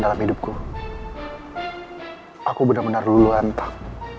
aku benar benar luluhantak